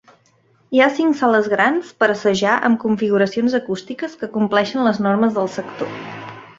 Hi ha cinc sales grans per assajar amb configuracions acústiques que compleixen les normes del sector.